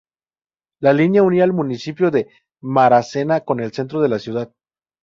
La línea unía el municipio de Maracena con el centro de la ciudad.